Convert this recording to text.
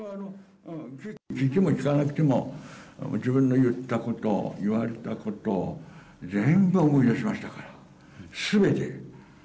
聞いても聞かなくても、自分の言ったこと、言われたこと、全部思い出しましたから、すべて。